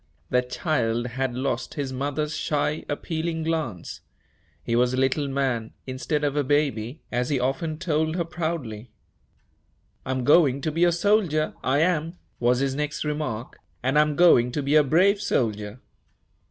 The child had lost his mother's shy, appealing glance. He was a little man, instead of a baby, as he often told her proudly. "I'm going to be a soldier, I am," was his next remark, "and I'm going to be a brave soldier."